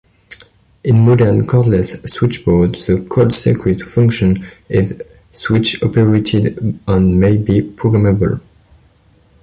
In modern cordless switchboards, the cord-circuit function is switch operated and may be programmable.